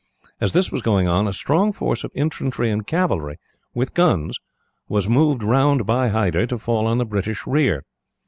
As this was going on, a strong force of infantry and cavalry, with guns, was moved round by Hyder to fall on the British rear.